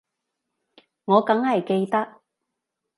我梗係記得